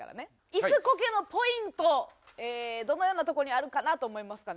椅子コケのポイントどのようなとこにあるかなと思いますかね？